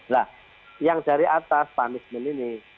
nah yang dari atas punishment ini